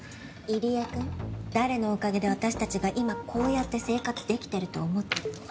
入江君誰のおかげで私たちが今こうやって生活できてると思ってる？